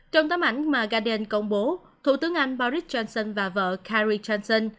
trong tấm ảnh mà guardian công bố thủ tướng anh boris johnson và vợ carrie johnson